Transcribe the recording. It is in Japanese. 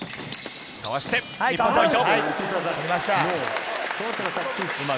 かわして、日本ポイント。